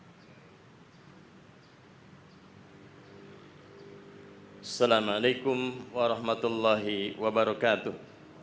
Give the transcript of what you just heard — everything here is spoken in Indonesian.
assalamu'alaikum warahmatullahi wabarakatuh